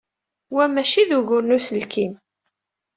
Wa maci d ugur n uselkim.